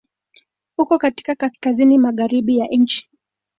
Uko katika kaskazini-magharibi ya nchi.